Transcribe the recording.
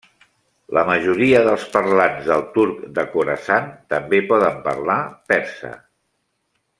La majoria dels parlants del turc de Khorasan també poden parlar persa.